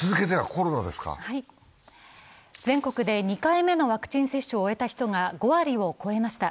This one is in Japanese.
全国で２回目のワクチン接種を終えた人が５割を超えました。